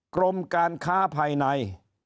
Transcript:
กรมการค้าภายใน